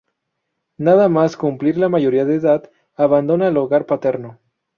Nada más cumplir la mayoría de edad abandona el hogar paterno.